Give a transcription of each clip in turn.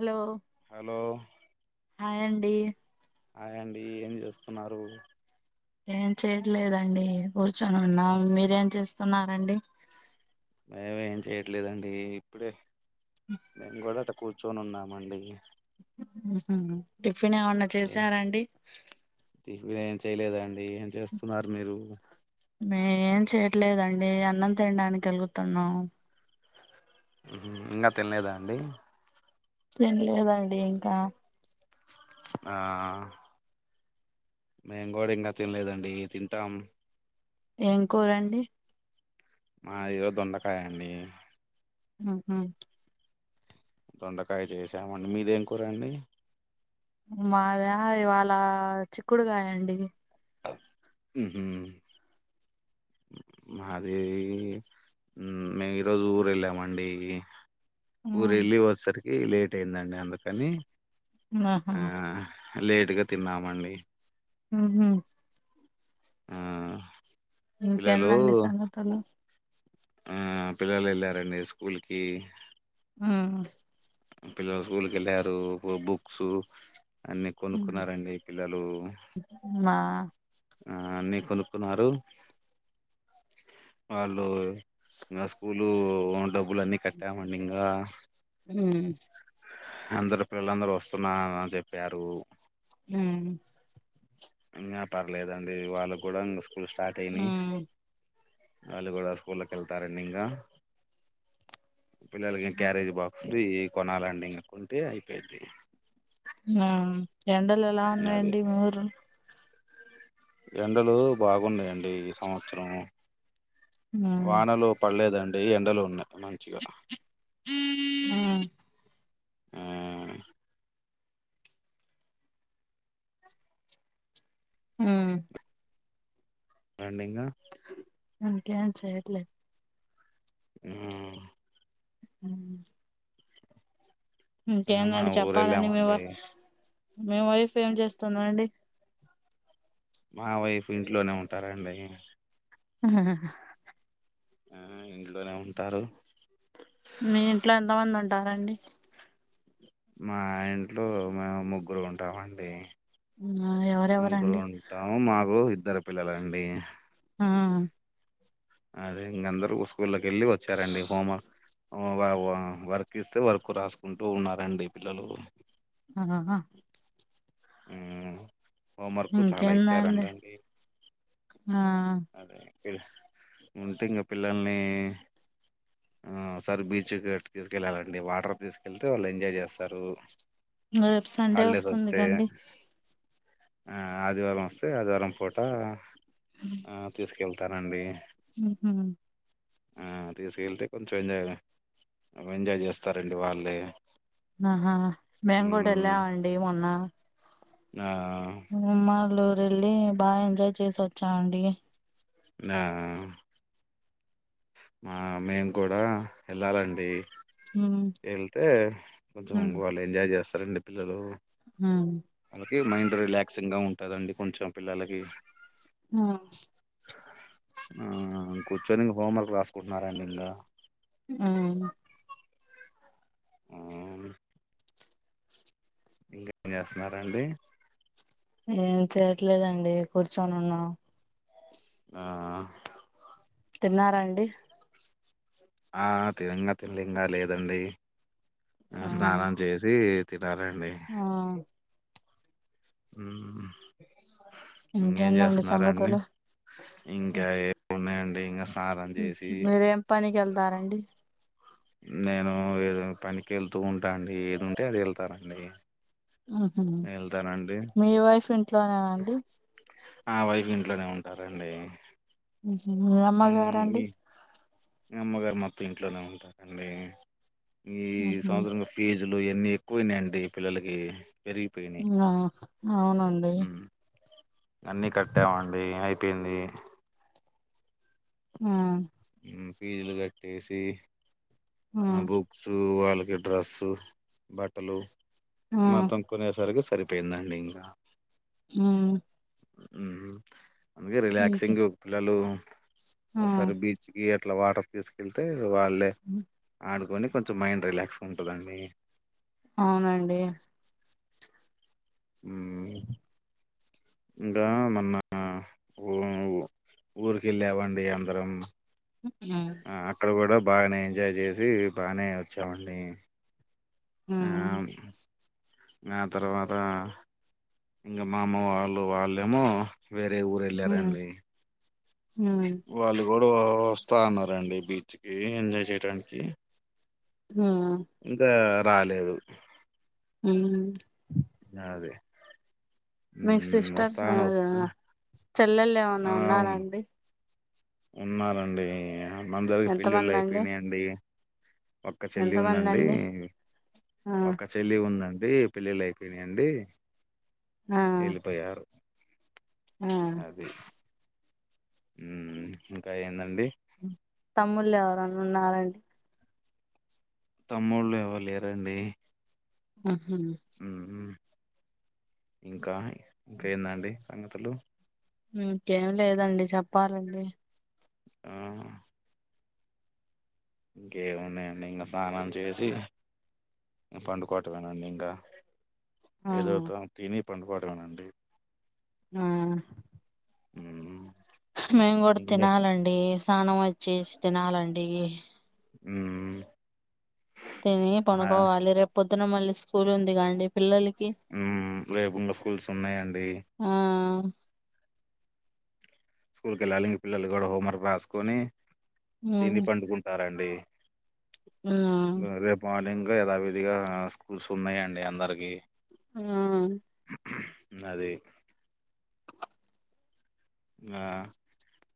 Hello hello ఏండి అయండి ఏమి చేస్తున్నారు ఏం చేయట్లేదండి కూర్చొని ఉన్నా మీరేం చేస్తున్నారండి [unintelligible] ఏం చేయట్లేదండి ఇప్పుడే మేము కూడా అట కూర్చొని ఉన్నామండి మహు టిఫిన్ ఏమన్నా చేసారాండి టిఫిన్ ఏం చేయలేదండి ఏం చేస్తున్నారు మీరు ఇట్లేదండి అన్నం తినడానికి వెలుగుతున్నాం ఇంగా తినలేదా అండి [unintelligible] లేదా అండి ఇంకా ఆ మేము గుడ ఇంగా తినలేదండి తింటాం ఏం కూరండి మా ఈగొ దొండకాయన్ని ఆ హ దొండకాయ చేసామండి మీదేం కూర అండి మావి ఇవాళ చిక్కుడు కాయండి [unintelligible] మాది మ్ మేము ఈరోజు ఊరు వెళ్ళామండి ఊరు వెళ్ళి వసరికి లేట్ అయిందండి అందుకని ఆహా ఆ లేట్గా తిన్నామండి మ్ హు ఆ పిల్లలు ఇంకేందండి సంగతులు ఆ పిల్లలు వెళ్ళారండి స్కూల్ కి ఆ పిల్లలు స్కూల్కి వెళ్ళారు బుక్సు అన్ని ఉమ్ కొనుక్కున్నారండి పిల్లలు ఆ అన్ని కొనుక్కున్నారు వాళ్ళు ఇంగా స్కూలు డబ్బులు అన్నిీ కట్టామండి ఇంగా అందరు పిల్లలందరూ వస్తున్నని చెప్పారు హమ్ ఇంగా పర్లేదండి వాళ్ళు కూడా ఇంగ స్కూల్ స్టార్ట్ అయినాయి ఉమ్ వాళ్ళు కూడా స్కూల్కి వెళ్తారండి ఇంగా పిల్లలకి క్యారేజీ బాక్స్ [unintelligible] కొనాలండి ఇంగ కొంటే అయిపోయింది ఆ ఎండల్ ఎలా ఉన్నాయి అది అండి మఊరు ఎండలు బాగున్నాయండి ఈ సంవత్సరం ఉమ్ వానలు పడ్లేదండి ఎండలు ఉన్నాయ్ మంచిగా ఉ ఊ ఊ అండి ఇంగా ఇంక ఏం చెయ్యట్లే ఊ ఉ ఆ మా ఇంకేందండి ఊరు చెప్పాలండి మే వెళ్ళామండి మి వైఫ్ ఏం చేస్తుంద్ అండి మా వైఫ్ ఇంట్లోనే ఉంటారండి అహహహ ఆ ఎందుక్ మీ ఇంట్లో ఎంతమంది ఉంటారండి మా ఇంట్లో మేము ముగ్గురం ఉంటామండి ఎవరెవరండి ముగ్గురం ఉంటాం మాకు ఇద్దరు పిల్లలండి ఆ అదే ఇంక అందరు స్కూల్ళక్ ఎళ్ళి వచ్చారండి హోంవ వ వ వర్క్ ఇస్తే వర్క్ రాస్కుంటూ ఉన్నారండి పిల్లలు ఆ హ హ ఊ హోంవర్కు చాలా ఇచ్చార్ అంట ఇంకేందండి అండి ఆ అదే ఉంటే ఇంగ పిల్లల్ని సారి బీచ్ తీసుకెళ్ళాలండి వాటర్ తీసుకెళ్తే వాళ్ళు ఎంజాయ్ చేస్తారు రేపు సండే హాళ్డేస్ వస్తుంది ఒస్తే కండి అ ఆదివారం ఒస్తే ఆదివారం పూట ఆ తీస్కెళ్తానండి ఆ తీసుకెళ్తే కొంచెం ఎంజాయ్ ఎంజాయ్ చేస్తారండి వాళ్ళే ఆహా మేమ్ గూడ మ్మ్ ఎల్లామండి మొన్న ఆ ఉమళ్ళూర్ వెళ్ళి బాగా ఎంజాయ్ చేస్ ఒచ్చామండి ఆ ఆ మేమ్ కూడ ఎళ్ళాలండి ఎళ్తే కొంచెం ఇంగ వాళ్ళు ఎంజాయ్ చేస్తరండి పిల్లలు ఆళ్ళకి మైండ్ రిలాక్సింగ్ గా ఉంటదండి కొంచెం పిల్లలకి ఆ కూర్చని ఇంగ హోమ్ వర్క్ రాస్ కుర్నారండి ఇంగా ఉ ఆ ఔను ఇంకేం చేస్తున్నారండి ఏం చేయట్లేదండి కూర్చొని ఉన్నా ఆఅ తిన్నార అండి ఆ తినంగా తిన్లింగా లేదండి ఆ స్నానం చేసి తినాలండి ఆ ఊ హు హు ఇంకేం ఇంకేందండి చేస్తున్నారండి సంగతులు ఇంకా ఏ ఉన్నాయండి మీరేం పనిక్ ఎళ్తారండి నేను ఏద పనికి ఎళ్తూ ఉంటా అండి ఏద్ ఉంటే అది ఎళ్తానండి ఆహ మీ వైఫ్ ఇంట్లోనేనా అండి ఆ వైఫ్ ఇంట్లోనే ఉంటారండి. మీ అమ్మగారండి? అమ్మగార్ మొత్తం ఇంట్లోనే ఉంటారండి. ఈ ఉహు సంవత్సరం ఫీజ్ జులు ఇయన్ని ఎక్కువైనయండి పిల్లలకి పెరిగిపోయినయి ఆ అవునండి అన్ని కట్టామండి. అయి పోయింది. ఆ ఫీజులు కట్టేసి బుక్స్ వా ఇగ డ్రస్సు బట్టలు ఆ ఆ మొత్తం కొనేసరికి సరిపొయిందండి ఇంకా మ్ అందుకే ఉమ్ రిలాక్సింగ్ పిల్లలు ఒకసారి బీచ్కి అట్లా వాటర్క్ తీస్కెళ్తే వాళ్ళే ఆడుకొని కొంచెం మైండ్ రిలాక్స్ గుంటదండి. అవునండి మ్ ఇంకా మొన్నా ఉ ఊరికెళ్ళావండి అందరం. ఆ అక్కడ గుడా బాగనే ఎంజాయ్ చేసి బానే వచ్చామండి. ఆ ఉమ్ ఉమ్ అవున్ నా తర్వాతా ఇంకా మా అమ్మ వాళ్ళు వాళ్ళేమో వేరే ఊర్ ఎళ్ళారండి. ఉమ్ ఉమ్ వాళ్ళు గొడవా వస్తా అన్నారండి బీచ్కి ఎంజాయ్ చేయటానికి ఇంకా రాలేదు. అవునా రాలే మీకు మ్ సిస్టర్స్ వస్తా ఆ అన్ వస్తా చెల్లెళ్ళు ఏమన్నా ఆ అవును ఉన్నారండి ఉన్నారండి మందరికి పెళ్ళిళ్ళు ఎంతమంది అండి అయిపోయినయండి. ఒక్క చెల్లి ఎంతమంది ఉందండి. అండి ఆ ఒక్క చెల్లి ఉందం డీ పెళ్లిల్లైపోయినయండి ఆ వెళ్ళిపోయారు. ఆ అది ఇంకా ఏందండి? తమ్ముళ్ళు ఎవరన్న ఉన్నారండి. తమ్ముళ్ళు ఎవర్ లేరండి. అ మ్ హ్ ఇంకా ఇంకేందండి సంగతలు ఇంకేం లేదండి చెప్పాలండి. ఆహ ఇంకేమున్నాయండి ఇంక స్నానం చేసి పండుకోటమేనండి ఇంకా ఆ ఏదో త తిని పండుకోటమేనండి. ఆ మ్ మేం గుడ్ తినాలండి స్నానం వచ్చేసి తినాలండి. మ్ తిని పనుకోవాలి. రేప్ పొద్దున మళ్ళీ స్కూల్ ఉందిగా అండి పిల్లల్ ఉమ్ లేేకుండ స్కూల్స్ ఉన్నాయండి ఆ స్కూల్ క వెళ్ళాలి ఇంగ్ పిల్లలు గుడా హోంవర్క్ రాసుకొని దీన్ని ఆ పండుకుంటారండి ఆ రేపు మార్నింగ్ యధావిధిగా స్కూల్స్ ఉన్నాయ అండి అందరికి ఆ నది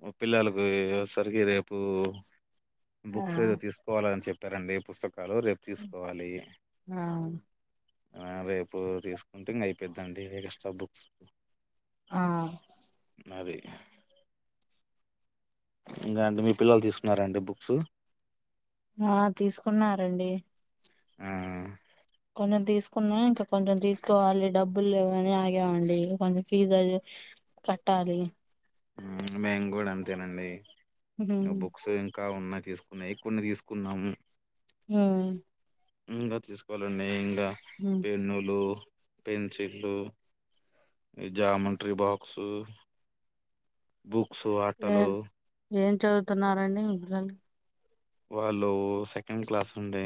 ఆ పిల్లలుకి ఒసరికి రేపు బుక్స్ ఏదో తీసుకోవాల అని చెప్పారండి పుస్తకం కాలో రేపు తీసుకోవాలి ఆ అ రేపు తీసుకుంటే ఇంగ అయిపో పెద్దండి ఎక్స్ట్రా బుక్స్ ఆ అది ఇంగ అండి మీ పిల్లలు తీసుకున్నారండి బుక్స్ ఆ తీసుకున్నారండి ఆ నేను తీసుకున్నా ఇంకా కొంచెం తీసుకోవాలి డబ్బులు లేవని ఆగేవాండి కొంచెం ఫిజు అది కట్టాలి ఉమ్ మేము గుడా అంతేనండి [unintelligible] కా ఉన్నాయి తీసుకున్నాయి కొన్ని తీసుకున్నాము హమ్ ఇంగా తీసుకోవాలండి ఇంగా ఉ పెన్నులు పెన్సిల్లు ఈ జామట్రీ బాక్సు బుక్స్ ఏ ఆట్టలు ఏం చదువుతున్నారండి గల్ వాళ్ళు సెకండ్ క్లాస్ ఉండే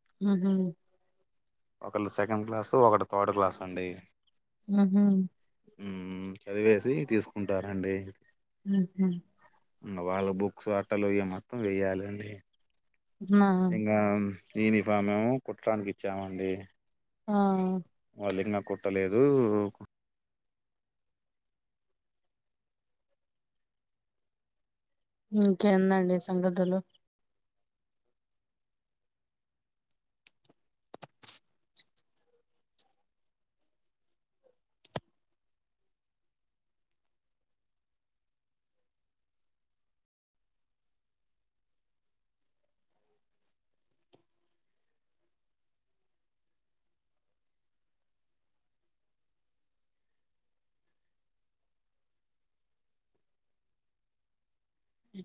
[unintelligible] ఒకళ్ సెకండ్ క్లాసు ఒకటి థర్డ్ క్లాస్ అండి మ్ హు ఉమ్ చదివేసి తీసుకుంటారండి ఉహు వాళ్ళ బుక్స్ ఆట్టలు ఇవి మొత్తం వేయ్యాలండి ఆ ఇంగా యూనిఫామ్ ఉ కుట్రానికి ఇచ్చామండి ఆ పలింగా కుట్టలేదు ఇంకేందండి సంగతులు ఇ